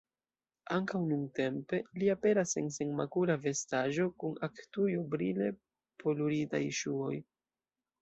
Ankaŭ nuntempe li aperas en senmakula vestaĵo, kun aktujo, brile poluritaj ŝuoj.